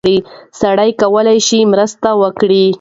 سړی کولی شي مرسته وکړي.